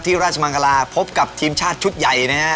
ราชมังคลาพบกับทีมชาติชุดใหญ่นะฮะ